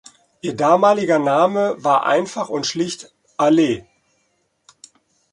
Ihr damaliger Name war einfach und schlicht „"Allee"“.